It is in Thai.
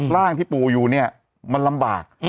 ร่างที่ปู่อยู่เนี่ยมันลำบาก